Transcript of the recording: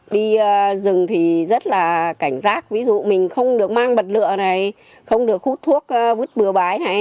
đi rừng thì rất là cảnh giác ví dụ mình không được mang bật lựa này không được hút thuốc vứt bừa bài